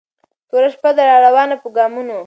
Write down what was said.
توره شپه ده را روانه په ګامونو